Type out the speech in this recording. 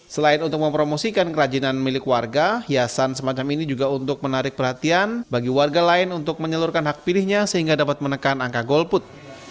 selain untuk mempromosikan kerajinan milik warga hiasan semacam ini juga untuk menarik perhatian bagi warga lain untuk menyeluruhkan hak pilihnya sehingga dapat menekan angka golput